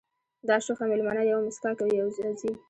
دا شوخه مېلمنه یوه مسکا کوي او ځي